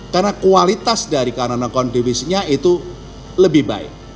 karena kualitas dari current account deficit nya itu lebih baik